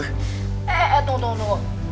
eh eh eh tunggu tunggu tunggu